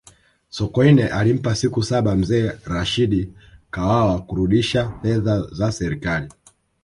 sokoine alimpa siku saba mzee rashidi kawawa kurudisha fedha za serikali